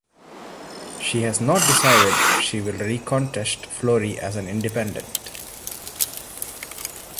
She has not decided if she will re-contest Florey as an independent.